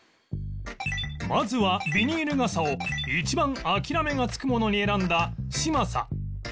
まずはビニール傘を一番諦めがつくものに選んだ嶋佐藤原の理由が